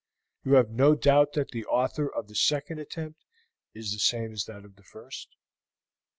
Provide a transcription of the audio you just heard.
"You have no doubt that the author of the second attempt is the same as that of the first?"